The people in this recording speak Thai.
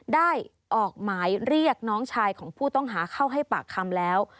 ได้ออกหมายเรียกน้องชายของผู้ต้องหาเข้าให้ปากคำแล้ว